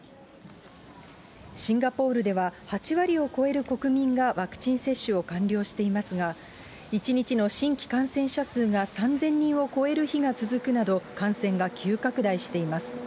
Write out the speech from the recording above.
シンガポールでは、８割を超える国民がワクチン接種を完了していますが、１日の新規感染者数が３０００人を超える日が続くなど、感染が急拡大しています。